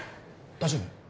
大丈夫？